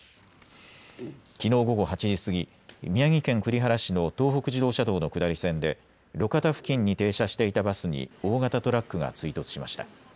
きのう午後８時過ぎ、宮城県栗原市の東北自動車道の下り線で路肩付近に停車していたバスに大型トラックが追突しました。